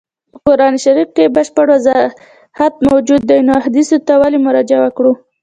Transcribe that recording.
په قرآن شریف کي بشپړ وضاحت موجود دی نو احادیثو ته ولي مراجعه وکړو.